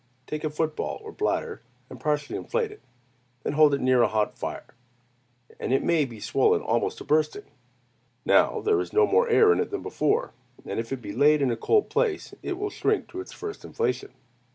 Take a foot ball or bladder and partially inflate it; then hold it near a hot fire, and it may be swollen almost to bursting. Now, there is no more air in it than before; and if it be laid in a cold place, it will shrink to its first inflation.